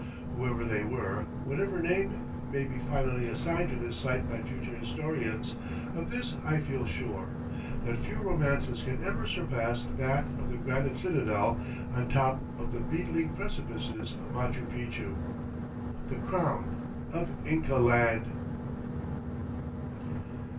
Whoever they were, whatever name be finally assigned to this site by future historians, of this I feel sure that few romances can ever surpass that of the granite citadel on top of the beetling precipices of Machu Picchu, the crown of Inca Land.